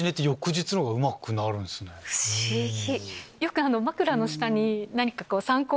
不思議！